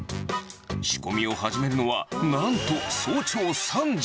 仕込みを始めるのは、なんと早朝３時。